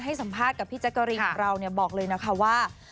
ให้สัมภาษณ์กับพี่แจ๊กกะรีนของเราบอกเลยนะคะว่า